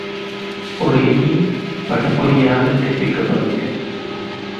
ஒரு எண்ணின் படிக்குறியாகத் தெரிவிக்கப்படும் எண்.